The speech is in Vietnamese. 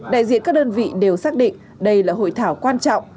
đại diện các đơn vị đều xác định đây là hội thảo quan trọng